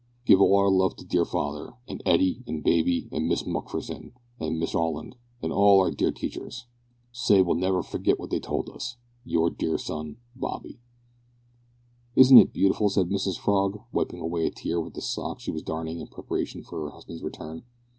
give all our luv to deer father, an etty an baiby an mis mukferson an mister olland an all our deer teechers. sai we'll never forgit wot they told us. your deer sun Bobby." "Isn't it beautiful?" said Mrs Frog, wiping away a tear with the sock she was darning in preparation for her husband's return.